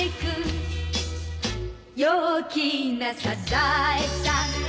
「陽気なサザエさん」